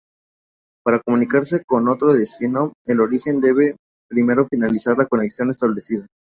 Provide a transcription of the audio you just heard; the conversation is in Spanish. Para comunicarse con otro destino, el origen debe primero finalizar la conexión establecida.